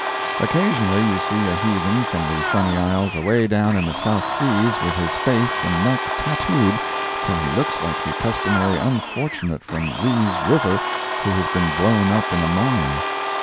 Occasionally you see a heathen from the sunny isles away down in the South Seas with his face and neck tattooed till he looks like the customary unfortunate from Reese River who has been blown up in a mine.